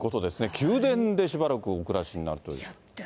宮殿でしばらくお暮らしになるという。